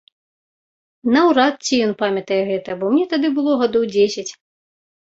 Наўрад ці ён памятае гэта, бо мне тады было гадоў дзесяць.